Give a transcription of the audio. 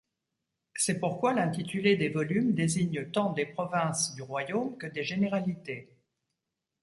C'est pourquoi l'intitulé des volumes désigne tant des provinces du royaume que des généralités.